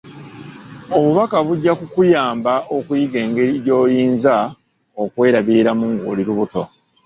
Obubaka bujja kukuyamba okuyiga engeri gy'oyinza okwerabiriramu ng'oli lubuto.